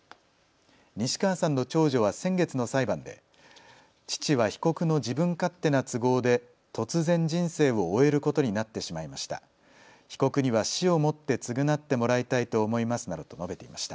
西川さんの長女は先月の裁判で父は被告の自分勝手な都合で突然人生を終えることになってしまいました。